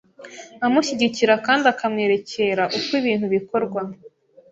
amushyigikira kandi akamwerekera uko ibintu bikorwa,